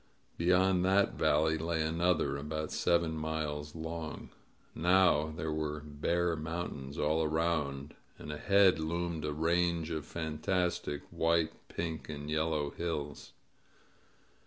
Beyond that valley lay another, about seven miles long. Now there were bare mountains all around, and ahead loomed a range of fantastic white, pink, and yellow hills.